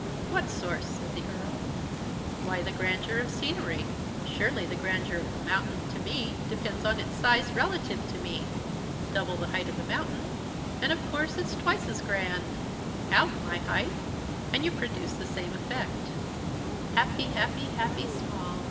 "What source?" said the Earl. "Why, the grandeur of scenery! Surely the grandeur of a mountain, to me, depends on its size, relative to me? Double the height of the mountain, and of course it's twice as grand. Halve my height, and you produce the same effect." "Happy, happy, happy Small!"